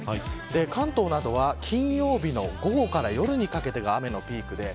関東などは金曜日の午後から夜にかけてが雨のピークです。